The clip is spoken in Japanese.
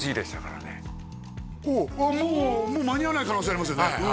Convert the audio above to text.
もうもう間に合わない可能性ありますよね